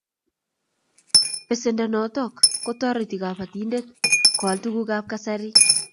Pesendo notok ko tareti kabatindet ko al tuguk ab kasari